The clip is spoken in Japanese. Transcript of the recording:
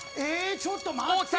ちょっと待ってよ。